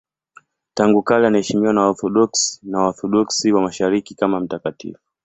Tangu kale anaheshimiwa na Waorthodoksi na Waorthodoksi wa Mashariki kama mtakatifu.